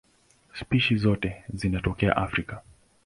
Spishi zote zinatokea Afrika.